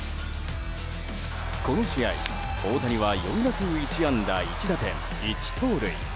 この試合、大谷は４打数１安打１打点１盗塁。